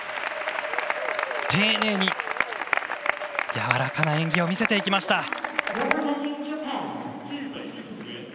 丁寧にやわらかな演技を見せていきました。